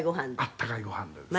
「温かいご飯でですね」